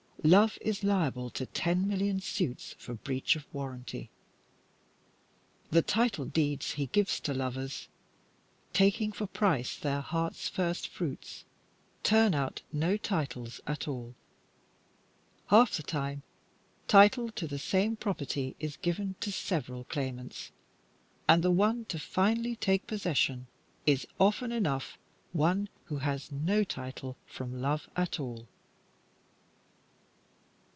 Love is liable to ten million suits for breach of warranty. The title deeds he gives to lovers, taking for price their hearts' first fruits, turn out no titles at all. Half the time, title to the same property is given to several claimants, and the one to finally take possession is often enough one who has no title from love at all.